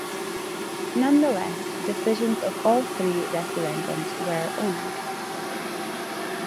Nonetheless, decissions of all three referendums were honoured.